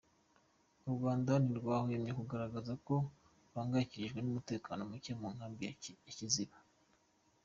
U Rwanda ntirwahwemye kugaragaza ko ruhangayikishijwe n’umutekano muke mu Nkambi ya Kiziba.